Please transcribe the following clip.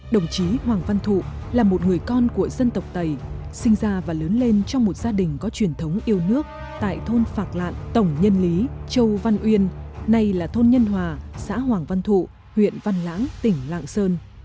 đồng chí hoàng văn thụ là một người con của dân tộc tày sinh ra và lớn lên trong một gia đình có truyền thống yêu nước tại thôn phạc lạn tổng nhân lý châu văn uyên nay là thôn nhân hòa xã hoàng văn thụ huyện văn lãng tỉnh lạng sơn